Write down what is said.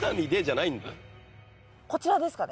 こちらですかね。